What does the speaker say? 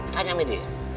tanya aja dia